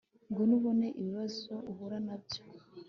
ngwino ubone ibibazo uhura nabyo